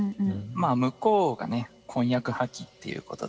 向こうがね婚約破棄っていうことで。